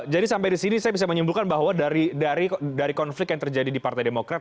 jadi sampai di sini saya bisa menyimpulkan bahwa dari konflik yang terjadi di partai demokrat